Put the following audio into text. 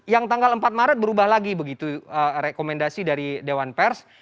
yang tanggal empat maret berubah lagi begitu rekomendasi dari dewan pers